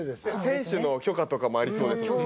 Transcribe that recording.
選手の許可とかもありそうですもんね